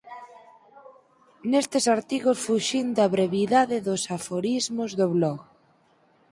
'Nestes artigos fuxín da brevidade dos aforismos do blog'